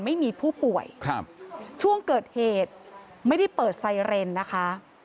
ไม่ได้เปิดไซเรนนะคะ